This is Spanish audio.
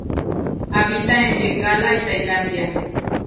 Habita en Bengala y Tailandia.